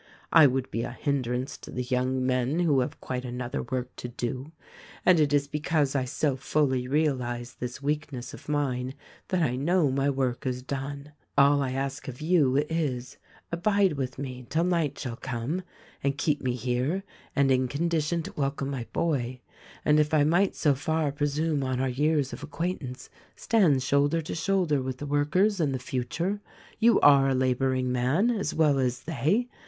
I would be a hindrance to the young men who have quite another work to do ; and it is because I so fully realize this weakness of mine that I know my work is done. All I ask of you is, abide with me till night shall come, and keep me here and in con dition to welcome my boy — and, if I might so far presume on our years of acquaintance, stand shoulder to shoulder with the workers, in the future. You are a laboring man, as well as they.